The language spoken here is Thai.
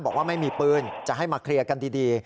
บอกว่าไม่มีปืนจะให้มาเคลียร์กันดี